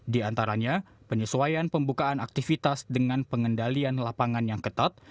di antaranya penyesuaian pembukaan aktivitas dengan pengendalian lapangan yang ketat